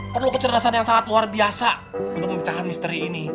perlu kecerdasan yang sangat luar biasa untuk memecahkan misteri ini